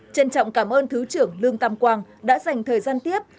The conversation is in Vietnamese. trân trọng cảm ơn thứ trưởng lương tam quang đã dành thời gian tiếp